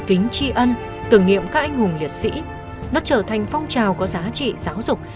kính tri ân tưởng niệm các anh hùng liệt sĩ nó trở thành phong trào có giá trị giáo dục